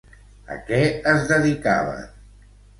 A què es dedicaven?